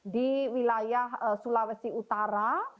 di wilayah sulawesi utara